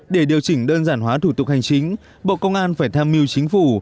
để điều chỉnh đơn giản hóa thủ tục hành chính bộ công an phải tham mưu chính phủ